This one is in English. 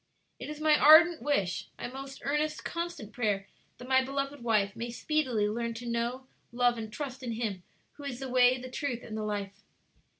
"It is my ardent wish, my most earnest, constant prayer, that my beloved wife may speedily learn to know, love, and trust in Him who is the Way, the Truth, and the Life!"